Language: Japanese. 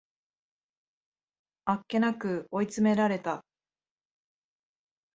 あっけなく追い詰められた